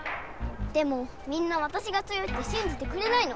でもみんなわたしが強いってしんじてくれないの。